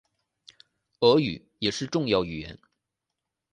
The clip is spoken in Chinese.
俄语也是重要语言。